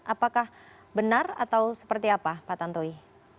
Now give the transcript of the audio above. apakah benar atau seperti apa pak tantowi